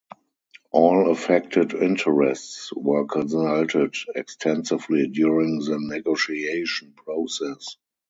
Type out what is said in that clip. All affected interests were consulted extensively during the negotiation process.